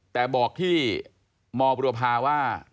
แต่บอกที่มบุรพาว่า